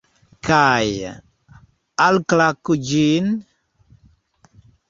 Kaj... alklaku ĝin?